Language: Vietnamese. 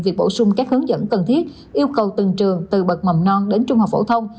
việc bổ sung các hướng dẫn cần thiết yêu cầu từng trường từ bậc mầm non đến trung học phổ thông